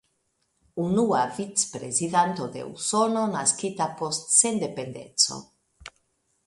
Unua vicprezidanto de Usono naskita post sendependeco.